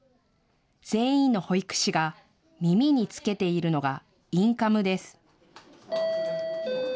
全員の保育士が耳につけているのがインカムです。